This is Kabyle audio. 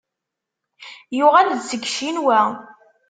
Yuɣal-d seg Ccinwa.